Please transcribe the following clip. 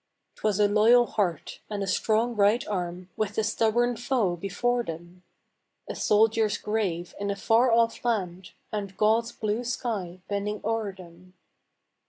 'Twas a loyal heart, and a strong right arm, With a stubborn foe before them; A soldier's grave in a far off land, And God's blue sky bending o'er them.